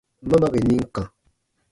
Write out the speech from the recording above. Ma ba bè nim kã.